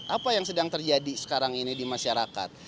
apa yang sedang terjadi sekarang ini di masyarakat